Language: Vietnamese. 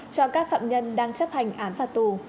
cho các phạm nhân đang chấp hành án phạt tù